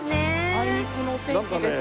あいにくのお天気ですが。